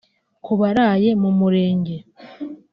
Ku baraye mu murenge